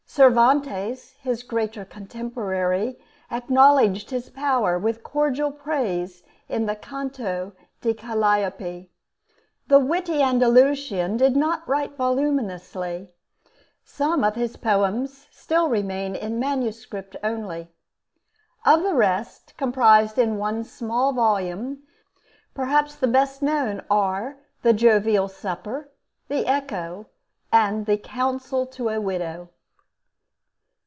Cervantes, his greater contemporary, acknowledged his power with cordial praise in the Canto de Caliope. The "witty Andalusian" did not write voluminously. Some of his poems still remain in manuscript only. Of the rest, comprised in one small volume, perhaps the best known are 'The Jovial Supper,' 'The Echo,' and the 'Counsel to a Widow.'